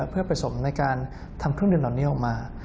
เพื่อผสมในการทำเครื่องดื่มเหล่านี้ออกมา